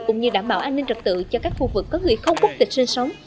cũng như đảm bảo an ninh trật tự cho các khu vực có người không quốc tịch sinh sống